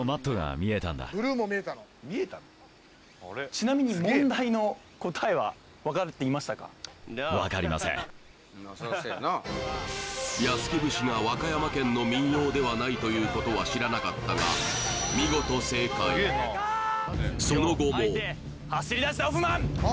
ちなみに「安来節」が和歌山県の民謡ではないということは知らなかったが見事正解その後も走りだしたホフマン！